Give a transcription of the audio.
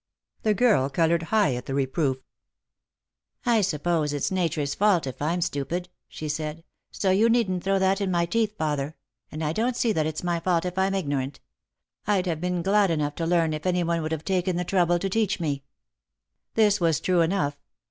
The girl coloured high at the reproof. " I suppose it's nature's fault if I'm stupid," she said ;" so you needn't throw that in my teeth, father ; and I don't see that it's my fault if I'm ignorant. I'd have been glad enough to learn if any one would have taken the trouble to teach me." This was true enough.